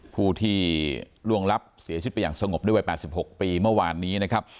ผู้ที่ล่วงลับเสียชีวิตไปอย่างสงบด้วยวัย๘๖ปีเมื่อวานนี้นะครับ